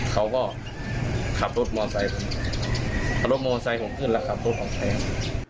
เขาก็ขับรถมอไซค์ผมเอารถมอไซค์ผมขึ้นแล้วขับรถของใครครับ